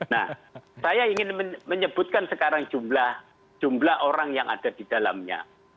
nah saya ingin menyebutkan sekarang jumlah orang yang ada di dalamnya